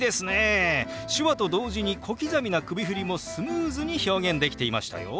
手話と同時に小刻みな首振りもスムーズに表現できていましたよ。